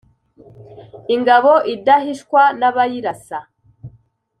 Ingabo idashishwa n'abayirasa